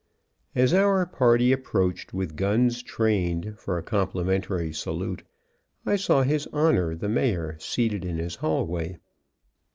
As our party approached with guns trained for a complimentary salute, I saw his honor, the Mayor, seated in his hallway.